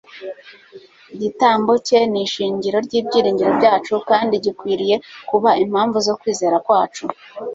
Igitambo cye ni ishingiro ry'ibyiringiro byacu; kandi gikwiriye kuba impamvu zo kwizera kwacu.